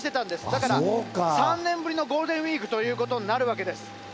だから３年ぶりのゴールデンウィークということになるわけです。